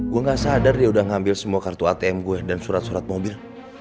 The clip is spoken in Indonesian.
saya tidak sadar dia sudah mengambil semua kartu atm saya dan surat surat mobil